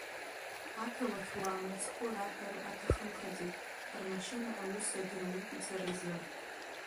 Ақалақьуаа мыцхәы раҳәара аҭахымхаӡеит, рмашьына аус адыруит ицаразы.